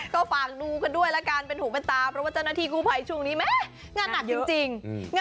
ก็ฝากดูกันด้วยละกันเป็นหูเป็นตาเพราะว่าเจ้าหน้าที่กู้ภัยช่วงนี้แม่งานหนักจริง